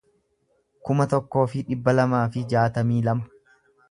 kuma tokkoo fi dhibba lamaa fi jaatamii lama